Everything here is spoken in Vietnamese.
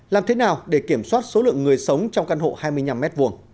làm thế nào để kiểm soát số lượng người sống trong căn hộ hai mươi năm m hai